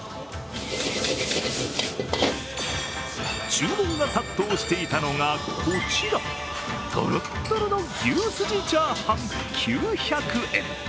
注文が殺到していたのが、こちらとろっとろの牛すじチャーハン９００円。